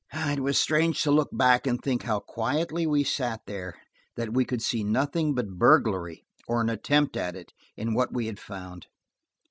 It is strange to look back and think how quietly we sat there; that we could see nothing but burglary–or an attempt at it–in what we had found.